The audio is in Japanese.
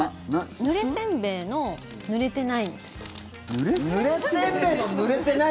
ぬれせんべいのぬれてないみたいな。